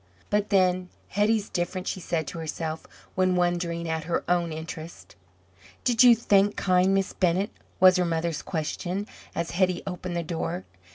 "But, then, Hetty's different," she said to herself, when wondering at her own interest. "Did you thank kind Miss Bennett?" was her mother's question as Hetty opened the door.